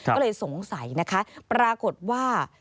ก็เลยสงสัยนะคะปรากฏว่า